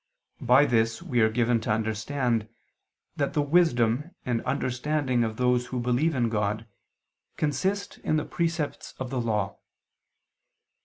By this we are given to understand that the wisdom and understanding of those who believe in God consist in the precepts of the Law.